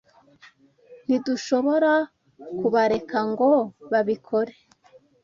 Ntidushobora kubareka ngo babikore.